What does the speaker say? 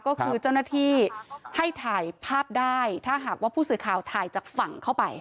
ก็คือเจ้าหน้าที่ให้ถ่ายภาพได้ถ้าหากว่าผู้สื่อข่าวถ่ายจากฝั่งเข้าไป